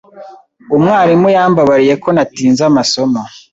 Umwarimu yambabariye ko natinze amasomo.